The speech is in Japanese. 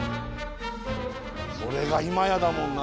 それが今やだもんな。